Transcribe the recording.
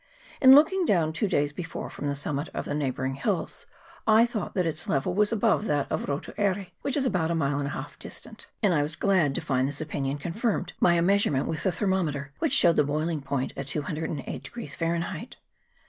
In looking down two days before from the summit of the neigh bouring hills, I thought that its level was above that of Rotu Aire, which is about a mile and a half distant, and I was glad to find this opinion con firmed by a measurement with the thermometer, which showed the boiling point at 208 Fahrenheit.